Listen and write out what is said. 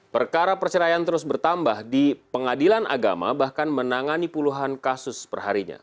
perkara perceraian terus bertambah di pengadilan agama bahkan menangani puluhan kasus perharinya